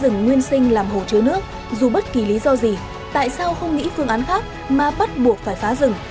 rừng nguyên sinh làm hồ chứa nước dù bất kỳ lý do gì tại sao không nghĩ phương án khác mà bắt buộc phải phá rừng